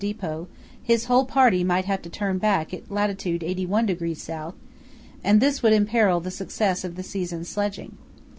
depot, his whole party might have to turn back at lat. 81° S., and this would imperil the success of the season's sledging.